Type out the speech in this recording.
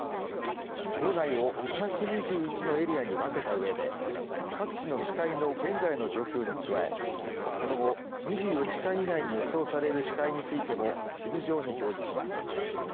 道内を２２１のエリアに分けたうえで各地の視界の現在の状況に加えその後２４時間以内に予想される視界についても地図上に表示します。